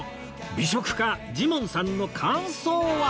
美食家ジモンさんの感想は？